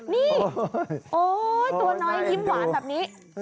นี่โอ๊ยตัวน้อยยิ้มหวานแบบนี้